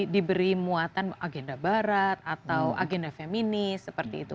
diberi muatan agenda barat atau agenda feminis seperti itu